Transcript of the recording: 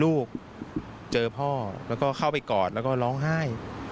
ลูกเจอพ่อแล้วก็เข้าไปกอดแล้วก็ร้องไห้